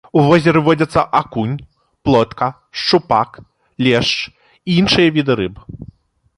У возеры водзяцца акунь, плотка, шчупак, лешч і іншыя віды рыб.